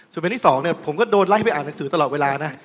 ส่วนประเด็นที่สองเนี่ยผมก็โดนไล่ไปอ่านหนังสือตลอดเวลานะ